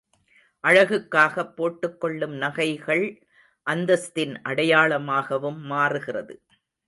அழகுக்காகப் போட்டுக் கொள்ளும் நகைள் அந்தஸ்தின் அடையாளமாகவும் மாறுகிறது.